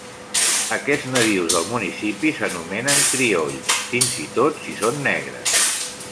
Aquests nadius del municipi s'anomenen criolls, fins i tot si són negres.